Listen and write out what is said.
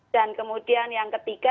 dan kemudian yang ketiga